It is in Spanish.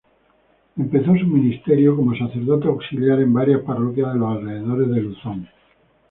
Empezó su ministerio como sacerdote auxiliar en varias parroquias de los alrededores de Luzón.